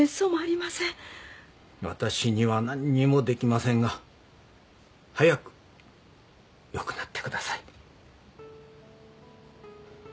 わたしには何にもできませんが早くよくなってください。